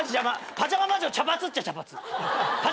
「パジャマ魔女茶髪っちゃ茶髪」